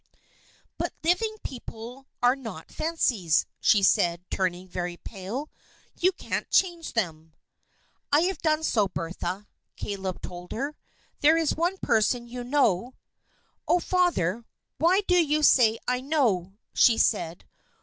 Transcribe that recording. "But living people are not fancies," she said, turning very pale. "You can't change them." "I have done so, Bertha," Caleb told her. "There is one person you know " "Oh, Father, why do you say I know?" she said.